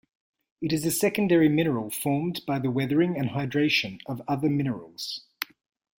It is a secondary mineral formed by the weathering and hydration of other minerals.